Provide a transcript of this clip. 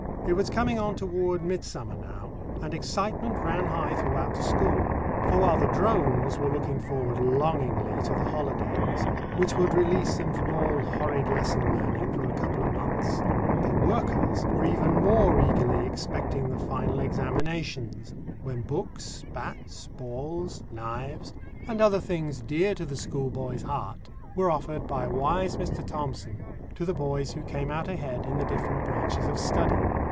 It was coming on toward midsummer now, and excitement ran high throughout the school; for while the drones were looking forward longingly to the holidays which would release them from all horrid lesson learning for a couple of months, the workers were even more eagerly expecting the final examinations, when books, bats, balls, knives, and other things dear to the schoolboy's heart, were offered by wise Mr. Thomson to the boys who came out ahead in the different branches of study.